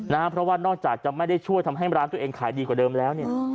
เพราะว่านอกจากจะไม่ได้ช่วยทำให้ร้านตัวเองขายดีกว่าเดิมแล้วเนี่ย